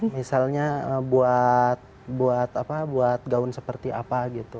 misalnya buat apa buat gaun seperti apa gitu